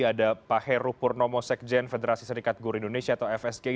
ada pak heru purnomo sekjen federasi serikat guru indonesia atau fsgi